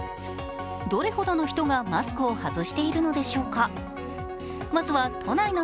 どれほどの人がマスクを外しているのでしょうか。